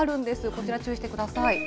こちら注意してください。